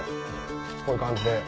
こういう感じで。